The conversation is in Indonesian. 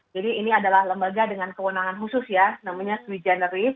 jadi ini adalah lembaga dengan kewenangan khusus ya namanya sui generis